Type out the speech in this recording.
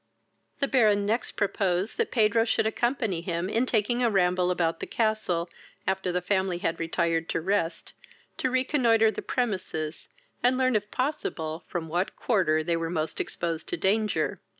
The Baron next proposed that Pedro should accompany him, in taking a ramble about the castle, after the family had retired to rest, to reconnoitre the premises, and learn, if possible, from what quarter they were most exposed to danger.